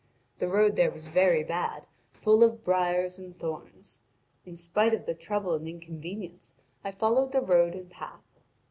The road there was very bad, full of briars and thorns. In spite of the trouble and inconvenience, I followed the road and path.